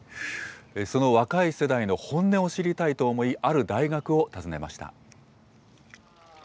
その若い世代の本音を知りたいと思い、ある大学を訪ねました。